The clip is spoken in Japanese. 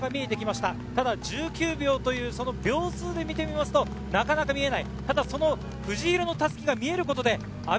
ただ１９秒という秒数で見てみますと、なかなか見えない。